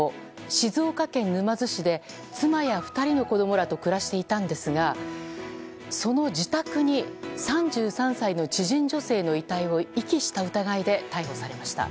静岡県沼津市で妻や２人の子供らと暮らしていたんですがその自宅に３３歳の知人女性の遺体を遺棄した疑いで逮捕されました。